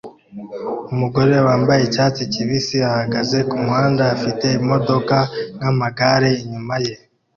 Umugore wambaye icyatsi kibisi ahagaze kumuhanda afite imodoka n'amagare inyuma ye